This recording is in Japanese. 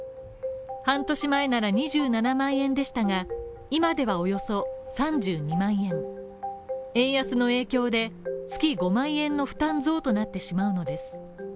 半年前なら２７万円でしたが、今ではおよそ３２万円円安の影響で月５万円の負担増となってしまうのです。